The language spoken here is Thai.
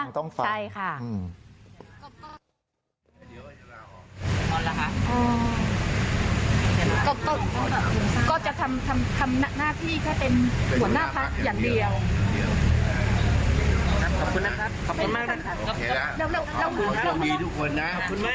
ต้องฟังต้องฟังใช่ค่ะ